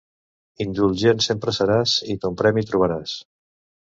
Indulgent sempre seràs i ton premi trobaràs.